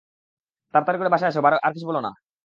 তাড়াতাড়ি বাসায় আসো, আর কিছু বলো না।